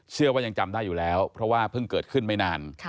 เชื่อว่ายังจำได้อยู่แล้วเพราะว่าเพิ่งเกิดขึ้นไม่นาน